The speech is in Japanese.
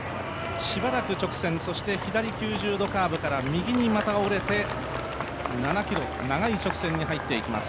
しばらく直線、そして左９０度カーブから右にまた折れて、７ｋｍ、長い直線に入っていきます。